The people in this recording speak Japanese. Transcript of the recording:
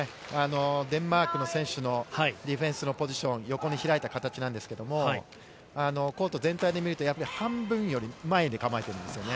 デンマークの選手のディフェンスのポジション、横に開いた形なんですけれど、コート全体で見ると半分より前に構えているんですよね。